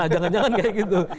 jangan jangan kayak gitu